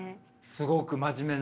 すごく真面目な。